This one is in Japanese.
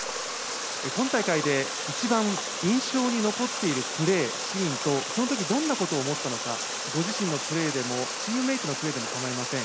今大会で一番印象に残っているプレー、シーンと、そのときどんなことを思ったのか、ご自身のプレーでもチームメートのプレーでもかまいません。